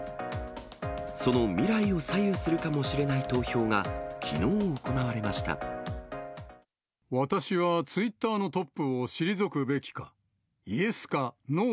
その未来を左右するかもしれない投票が、私はツイッターのトップを退くべきか？